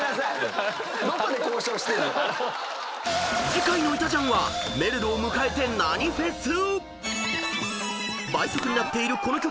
［次回の『いたジャン』はめるるを迎えて何フェス］